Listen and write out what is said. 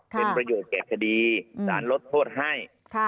เป็นประโยชน์แก่คดีสารลดโทษให้